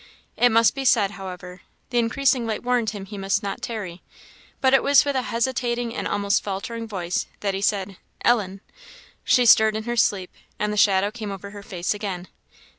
It must be said, however; the increasing light warned him he must not tarry; but it was with a hesitating and almost faltering voice that he said, "Ellen!" She stirred in her sleep, and the shadow came over her face again.